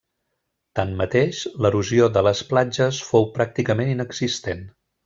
Tanmateix, l'erosió de les platges fou pràcticament inexistent.